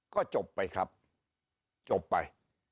ก็จบไปครับจบไป